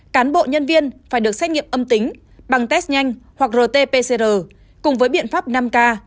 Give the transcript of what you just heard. cán bộ nhân viên phải được xét nghiệm âm tính bằng test nhanh hoặc rt pcr cùng với biện pháp năm k